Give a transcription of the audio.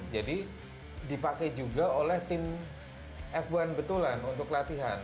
jadi dipakai juga oleh tim f satu betulan untuk latihan